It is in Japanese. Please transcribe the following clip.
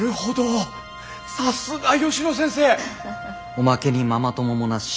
おまけにママ友もなし。